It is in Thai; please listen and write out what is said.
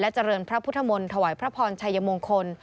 เจริญพระพุทธมนต์ถวายพระพรชัยมงคล